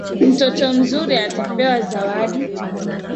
Mtoto mzuri atapewa zawadi.